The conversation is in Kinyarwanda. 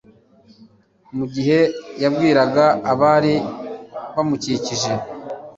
Mu gihe yabwiraga abari bamukikije,